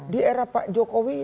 di era pak jokowi